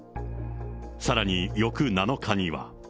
さらに翌７日には。